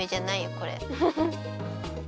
これ。